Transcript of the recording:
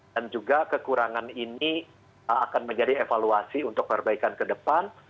dan juga kekurangan ini akan menjadi evaluasi untuk perbaikan ke depan